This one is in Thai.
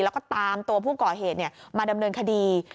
แล้วก็ตามตัวผู้ก่อเหตุมาดำเนินคดี